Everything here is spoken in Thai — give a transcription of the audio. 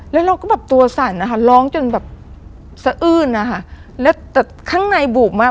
แล้วเราก็แบบตัวสั่นนะคะร้องจนแบบสะอื้นนะคะแล้วแต่ข้างในบูบมาก